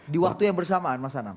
di waktu yang bersamaan mas anam